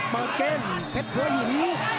เบาเก้นเผ็ดเผื้อหิน